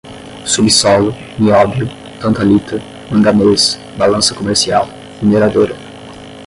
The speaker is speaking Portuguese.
subsolo, nióbio, tantalita, manganês, balança comercial, mineradora